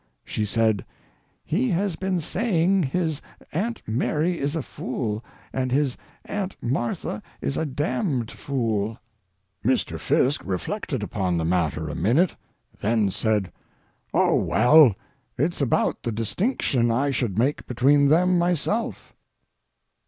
She said: "He has been saying his Aunt Mary is a fool and his Aunt Martha is a damned fool." Mr. Fiske reflected upon the matter a minute, then said: "Oh, well, it's about the distinction I should make between them myself."